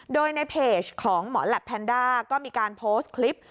โดยในเพจของหมอแหลปแพนด้าก็มีการโพสต์คลิป